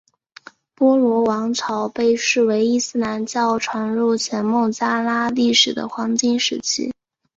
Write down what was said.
波罗王朝被视为伊斯兰教传入前孟加拉历史的黄金时期。